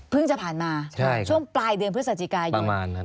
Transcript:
เพิ่งจะผ่านมาช่วงปลายเดือนพฤศจิกายุนประมาณนั้น